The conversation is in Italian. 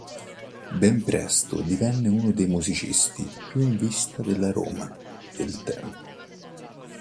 Ben presto divenne uno dei musicisti più in vista della Roma del tempo.